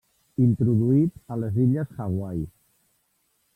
Introduït a les illes Hawaii.